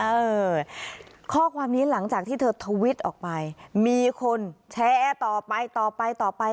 เออข้อความนี้หลังจากที่เธอทวิตออกไปมีคนแชร์ต่อไปต่อไปต่อไปต่อไป